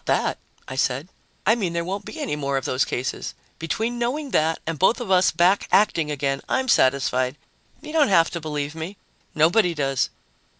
"Not that," I said. "I mean there won't be any more of those cases. Between knowing that and both of us back acting again, I'm satisfied. You don't have to believe me. Nobody does."